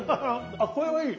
あこれはいい。